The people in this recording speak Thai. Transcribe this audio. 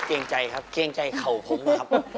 เกรงใจครับเกรงใจเข่าผมนะครับ